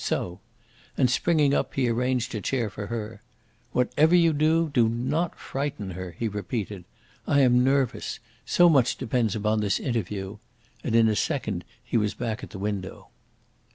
So!" And, springing up, he arranged a chair for her. "Whatever you do, do not frighten her," he repeated. "I am nervous. So much depends upon this interview." And in a second he was back at the window.